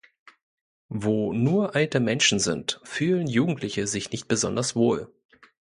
Wo nur alte Menschen sind, fühlen Jugendliche sich nicht besonders wohl.